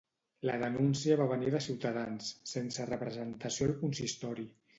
La denúncia va venir de Ciutadans, sense representació al consistori.